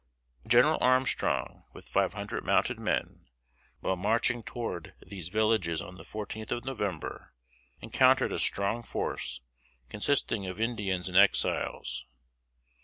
General Armstrong, with five hundred mounted men, while marching toward these villages on the fourteenth of November, encountered a strong force consisting of Indians and Exiles.